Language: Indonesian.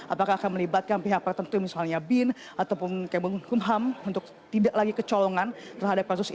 apakah akan melibatkan pihak pertentu misalnya bin ataupun kbkm untuk tidak lagi kecolongan terhadap proses ini